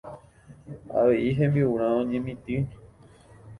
Avei hembi'urã oñemitỹ.